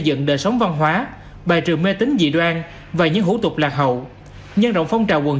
dựng đời sống văn hóa bài trừ mê tính dị đoan và những hủ tục lạc hậu nhân rộng phong trào quần